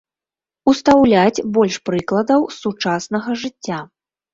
Устаўляць больш прыкладаў з сучаснага жыцця.